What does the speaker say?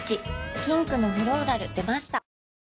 ピンクのフローラル出ました